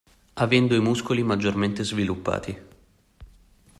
Avendo i muscoli maggiormente sviluppati.